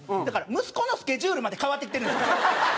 だから息子のスケジュールまで変わってきてるんですよ。